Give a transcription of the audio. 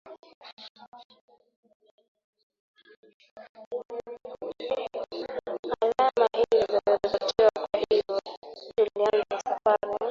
alama hizo ziliripoti kwa hivyo tulianza safari ya